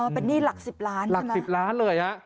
เป็นหนี้หลัก๑๐ล้าน